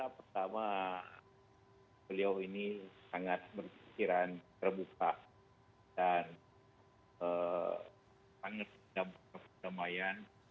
pertama beliau ini sangat berpikiran terbuka dan sangat berdamaian